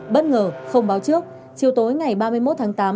bất ngờ không báo trước chiều tối ngày ba mươi một tháng tám